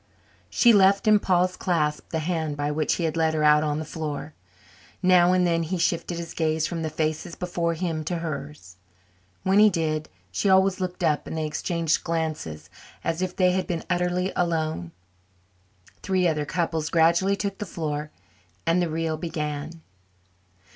She left in Paul's clasp the hand by which he had led her out on the floor. Now and then he shifted his gaze from the faces before him to hers. When he did, she always looked up and they exchanged glances as if they had been utterly alone. Three other couples gradually took the floor and the reel began.